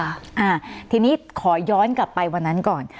อ่าทีนี้ขอย้อนกลับไปวันนั้นก่อน